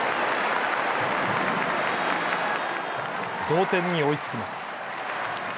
同点に追いつきます。